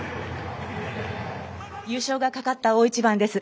優勝がかかった大一番です。